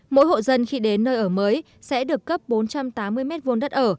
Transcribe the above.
mỗi hộ dân khi đến nơi ở mới sẽ được cấp bốn trăm tám mươi m hai đất ở